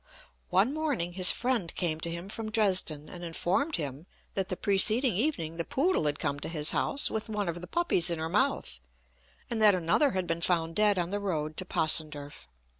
One morning his friend came to him from Dresden, and informed him that the preceding evening the poodle had come to his house with one of the puppies in her mouth, and that another had been found dead on the road to Possenderf.